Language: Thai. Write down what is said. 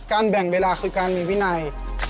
แบ่งเวลาคือการมีวินัย